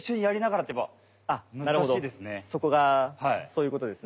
そこがそういうことですね。